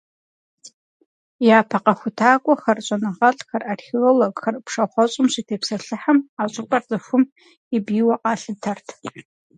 Япэ къэхутакӏуэхэр, щӏэныгъэлӏхэр, археологхэр пшахъуэщӏым щытепсэлъыхьым, а щӏыпӏэр цӏыхум и бийуэ къалъытэрт.